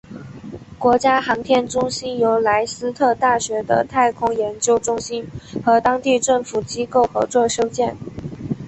国家航天中心由莱斯特大学的太空研究中心和当地政府机构合作修建。